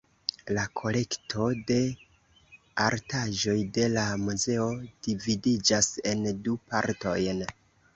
La kolekto de artaĵoj de la muzeo dividiĝas en du partojn.